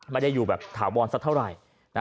ไม่ได้อยู่แบบถาวรสักเท่าไหร่